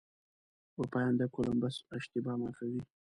اروپایان د کولمبس اشتباه معافوي.